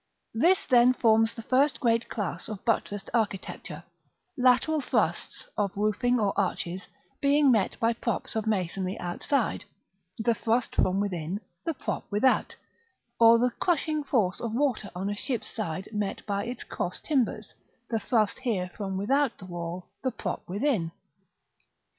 This, then, forms the first great class of buttressed architecture; lateral thrusts, of roofing or arches, being met by props of masonry outside the thrust from within, the prop without; or the crushing force of water on a ship's side met by its cross timbers the thrust here from without the wall, the prop within.